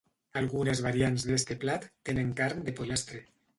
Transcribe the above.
Algunes variants d'este plat tenen carn de pollastre.